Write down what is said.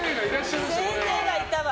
先生がいたわ。